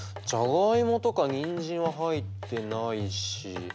じゃがいもとかにんじんは入ってないし。